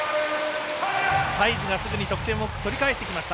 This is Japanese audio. サイズがすぐに得点を取り返してきました。